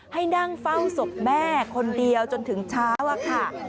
ให้นั่งเฝ้าศพแม่คนเดียวจนถึงเช้าอะค่ะ